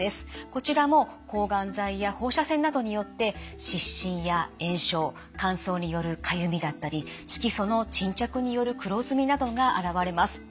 こちらも抗がん剤や放射線などによって湿疹や炎症乾燥によるかゆみだったり色素の沈着による黒ずみなどが現れます。